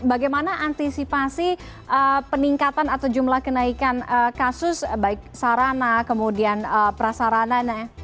bagaimana antisipasi peningkatan atau jumlah kenaikan kasus baik sarana kemudian prasarana